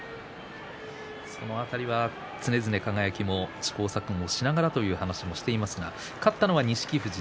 その辺りは常々、輝も試行錯誤をしながらという話をしていますが勝ったのは錦富士。